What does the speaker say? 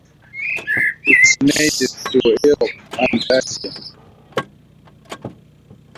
It is native to Europe and Asia.